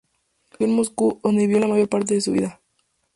Nació en Moscú, donde vivió la mayor parte de su vida.